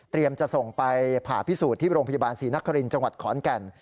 จะส่งไปผ่าพิสูจน์ที่โรงพยาบาลศรีนครินทร์จังหวัดขอนแก่น